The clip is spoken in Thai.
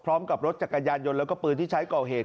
พร้อมกับรถจักรยานยนต์แล้วก็ปืนที่ใช้ก่อเหตุ